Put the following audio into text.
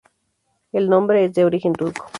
El nombre es de origen turco.